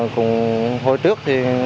cũng hối trước